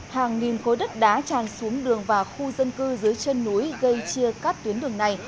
hàng nghìn khối đất đá tràn xuống đường và khu dân cư dưới chân núi gây chia cắt tuyến đường này